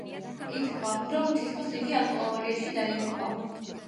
ითქვა, რომ თითქოს იგი ავტოავარიაში დაიღუპა.